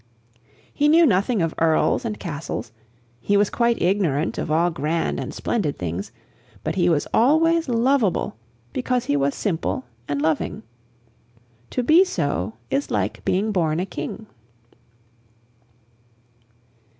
He knew nothing of earls and castles; he was quite ignorant of all grand and splendid things; but he was always lovable because he was simple and loving. To be so is like being born a king.